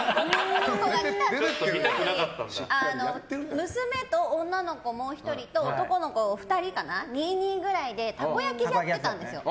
男の子が来た時に娘と女の子もう１人と男の子２人２、２くらいでたこ焼きやってたんですよ。